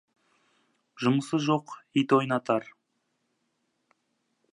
Жұмысы жоқ ит ойнатар.